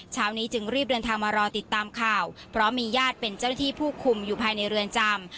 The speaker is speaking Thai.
เช้านี้จึงรีบเดินทางมารอติดตามข่าวเพราะมีญาติเป็นเจ้าหน้าที่ผู้คุมอยู่ภายในเรือนจำ